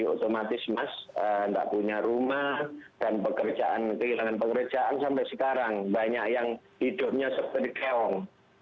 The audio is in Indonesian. warga yang belum menerima ganti rugi otomatis mas tidak punya rumah dan kehilangan pekerjaan sampai sekarang banyak yang hidupnya seperti keong